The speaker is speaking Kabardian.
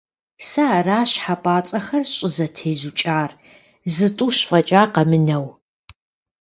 Сэ аращ хьэпӀацӀэхэр щӀызэтезукӀар, зытӀущ фӀэкӀа къэмынэу.